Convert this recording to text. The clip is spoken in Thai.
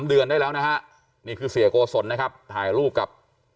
เดือนได้แล้วนะฮะนี่คือเสียโกศลนะครับถ่ายรูปกับ